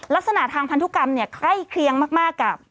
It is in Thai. ลักษณะทางพันธุกรรมเนี่ยใกล้เคียงมากกับ